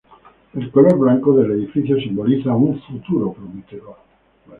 El color blanco del edificio simboliza un futuro prometedor.